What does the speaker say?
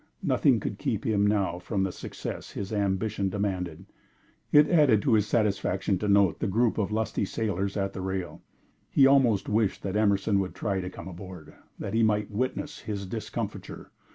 Nothing could keep him now from the success his ambition demanded. It added to his satisfaction to note the group of lusty sailors at the rail. He almost wished that Emerson would try to come aboard, that he might witness his discomfiture.